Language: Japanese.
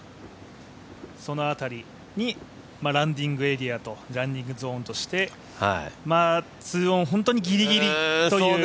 その辺りにランディングエリアとランディングゾーンとして２オン、本当にぎりぎりという。